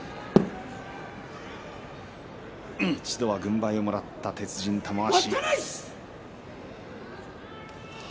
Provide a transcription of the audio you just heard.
一度は軍配をもらった、鉄人玉鷲。